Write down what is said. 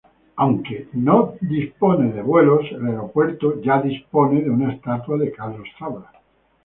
Antes de tener vuelos, el aeropuerto ya disponía de una estatua de Carlos Fabra.